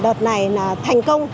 đợt này là thành công